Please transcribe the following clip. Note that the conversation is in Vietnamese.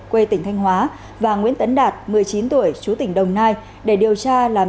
quê tỉnh thanh hóa và nguyễn tấn đạt một mươi chín tuổi chú tỉnh đồng nai để điều tra làm